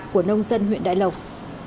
cảm ơn các bạn đã theo dõi